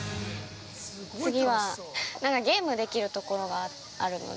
次は、なんかゲームできるところがあるので。